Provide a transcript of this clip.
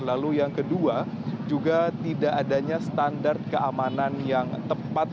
lalu yang kedua juga tidak adanya standar keamanan yang tepat